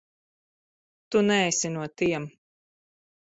Tu neesi no tiem.